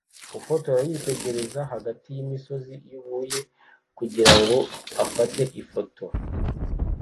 Ufotora yitegereza hagati yimisozi yubuye kugirango afate ifoto